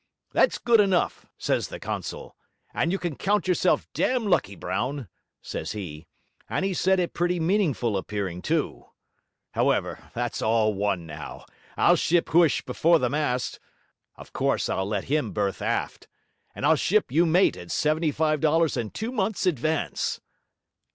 "That's good enough," says the consul, "and you can count yourself damned lucky, Brown," says he. And he said it pretty meaningful appearing, too. However, that's all one now. I'll ship Huish before the mast of course I'll let him berth aft and I'll ship you mate at seventy five dollars and two months' advance.'